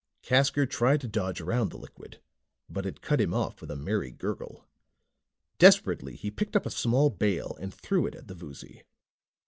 Casker tried to dodge around the liquid, but it cut him off with a merry gurgle. Desperately he picked up a small bale and threw it at the Voozy.